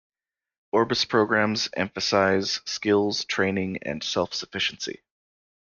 Orbis' programs emphasise skills, training and self-sufficiency.